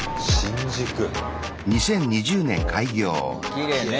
きれいね。